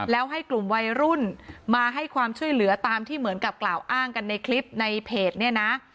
แล้วให้กลุ่มวัยรุ่นมาให้ความช่วยเหลือตามที่เหมือนกับกล่าวอ้างกันในคลิปในเพจเนี่ยนะ